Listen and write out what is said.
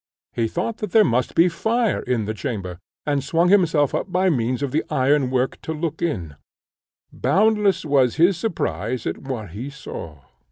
He thought that there must be fire in the chamber, and swung himself up by means of the iron work to look in. Boundless was his surprise at what he saw.